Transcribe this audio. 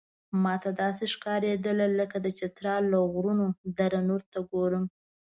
ماته داسې ښکارېدل لکه د چترال له غرونو دره نور ته ګورم.